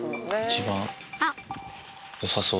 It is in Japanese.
一番よさそう。